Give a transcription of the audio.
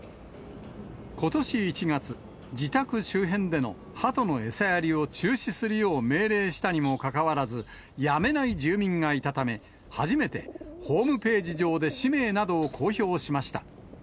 ことし１月、自宅周辺でのハトの餌やりを中止するよう命令したにもかかわらず、やめない住民がいたため、初めてホームページ上で氏名などを公表しました。